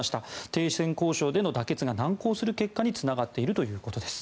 停戦交渉での妥結が難航する結果につながっているということです。